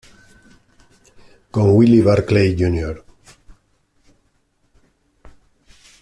Con Willy Barclay Jr.